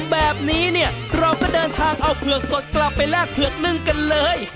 แบบนี้เนี่ยเราก็เดินทางเอาเผือกสดกลับไปแลกเผือกนึ่งกันเลย